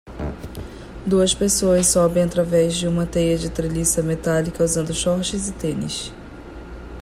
Duas pessoas sobem através de uma teia de treliça metálica usando shorts e tênis.